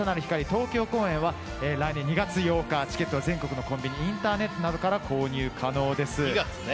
東京公演は来年２月８日チケットは全国のコンビニインターネットなどから購入可能です。